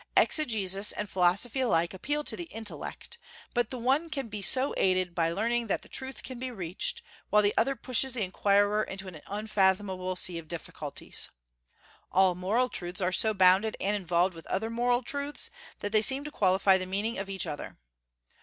Exegesis and philosophy alike appeal to the intellect; but the one can be so aided by learning that the truth can be reached, while the other pushes the inquirer into an unfathomable sea of difficulties. All moral truths are so bounded and involved with other moral truths that they seem to qualify the meaning of each other.